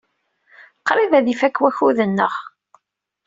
Qrib ad ifak wakud-nneɣ.